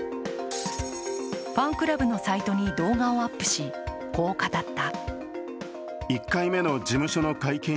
ファンクラブのサイトに動画をアップしこう語った。